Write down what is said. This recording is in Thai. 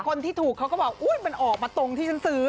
คนที่ถูกเขาก็บอกอุ๊ยมันออกมาตรงที่ฉันซื้อ